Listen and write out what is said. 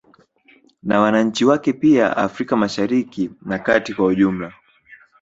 Na wananchi wake pia Afrika Mashariki na kati kwa ujumla